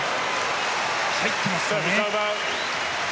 入ってますかね。